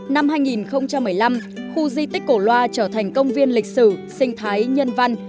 năm hai nghìn một mươi năm khu di tích cổ loa trở thành công viên lịch sử sinh thái nhân văn